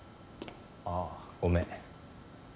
ああごめん。